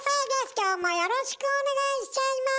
今日もよろしくお願いしちゃいます！